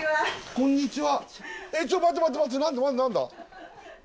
こんにちは。